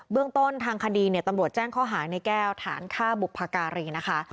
เรื่องต้นทางคดีตำรวจแจ้งข้อหาในแก้วฐานฆ่าบุพการีนะคะ